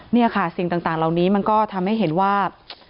นี่ค่ะสิ่งต่างเหล่านี้มันก็ทำให้เห็นว่า